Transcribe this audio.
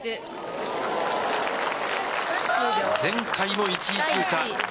前回も１位通過。